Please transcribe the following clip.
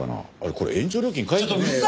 これ延長料金書いてねえよ。